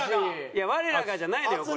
いや「我らが」じゃないのよこれ。